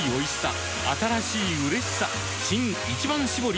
新「一番搾り」